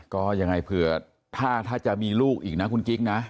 ก็ยังไงเผื่อถ้าจะมีลูกอีกนะคุณกิ๊กนะ